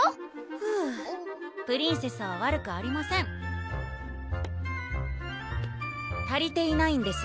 フゥプリンセスは悪くありません足りていないんです